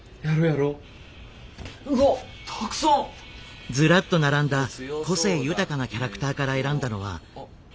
たくさん！ずらっと並んだ個性豊かなキャラクターから選んだのは中国拳法の使い手